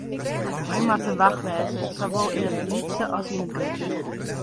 Wy moatte wach wêze, sawol yn it lytse as yn it grutte.